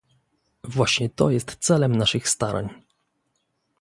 Właśnie to jest celem naszych starań